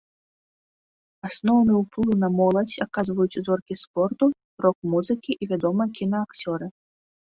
Асноўны ўплыў на моладзь аказваюць зоркі спорту, рок-музыкі і вядомыя кінаакцёры.